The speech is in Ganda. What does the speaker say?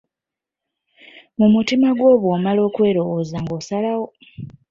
Mu mutima gwo bw'omala okwelowooza ng'osalawo.